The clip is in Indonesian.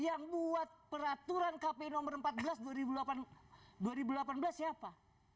yang buat peraturan kpu nomor empat belas dua ribu delapan belas siapa